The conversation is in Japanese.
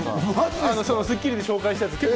『スッキリ』で紹介したやつ。